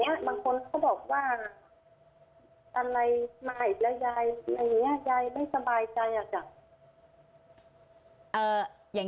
บางคนเขาบอกว่าอะไรใหม่แล้วยายยายไม่สบายใจอ่ะอ่ะอย่าง